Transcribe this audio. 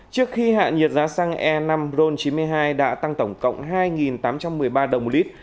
trước khi hạ nhiệt giá xăng e năm ron chín mươi hai đã tăng tổng cộng hai tám trăm một mươi ba đồng một lít